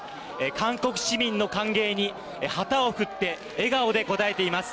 韓国市民の歓迎に旗を振って笑顔で応えています。